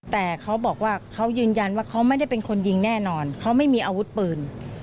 แต่เขาบอกว่าเขายืนยันว่าเขาไม่ได้เป็นคนยิงแน่นอนเขาไม่มีอาวุธปืน